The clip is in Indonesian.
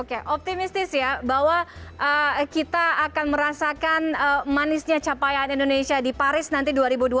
oke optimistis ya bahwa kita akan merasakan manisnya capaian indonesia di paris nanti dua ribu dua puluh empat